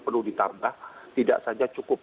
perlu ditambah tidak saja cukup